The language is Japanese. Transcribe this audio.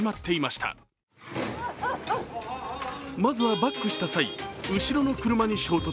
まずはバックした際、後ろの車に衝突。